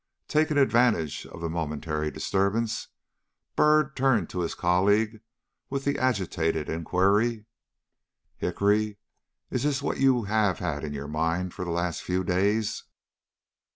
Taking advantage of the momentary disturbance, Byrd turned to his colleague with the agitated inquiry: "Hickory, is this what you have had in your mind for the last few days?"